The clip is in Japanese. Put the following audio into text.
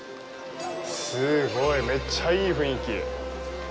すごい、めっちゃいい雰囲気。